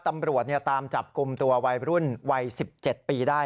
ตำรวจตามจับกลุ่มตัววัยรุ่นวัย๑๗ปีได้